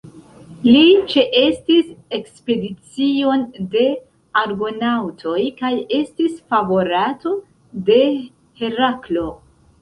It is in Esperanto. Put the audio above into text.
Li ĉeestis ekspedicion de Argonaŭtoj kaj estis favorato de Heraklo.